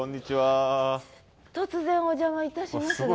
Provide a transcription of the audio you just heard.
突然お邪魔いたしますが。